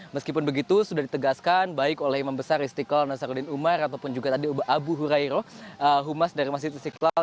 meskipun begitu sudah ditegaskan baik oleh imam besar istiqlal nasaruddin umar ataupun juga tadi abu hurairoh humas dari masjid istiqlal